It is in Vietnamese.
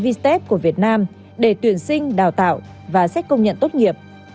vstep của việt nam để tuyển sinh đào tạo và sách công nhận tốt nghiệp